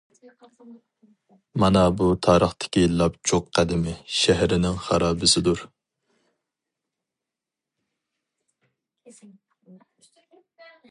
مانا بۇ تارىختىكى لاپچۇق قەدىمىي شەھىرىنىڭ خارابىسىدۇر.